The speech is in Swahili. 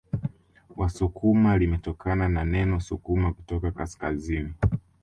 Wasukuma limetokana na neno sukuma kutoka kaskazini